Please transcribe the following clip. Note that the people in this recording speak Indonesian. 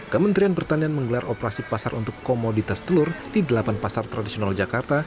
kementerian pertanian menggelar operasi pasar untuk komoditas telur di delapan pasar tradisional jakarta